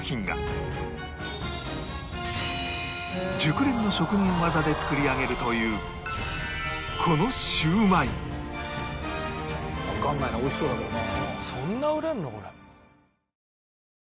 熟練の職人技で作り上げるというこのシューマイわかんないなおいしそうだけどな。